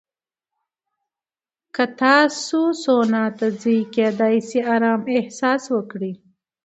که تاسو سونا ته ځئ، کېدای شي ارامه احساس وکړئ.